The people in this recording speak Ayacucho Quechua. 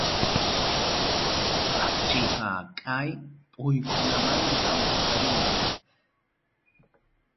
Akchiyqa kay puykunamantam paqarimun.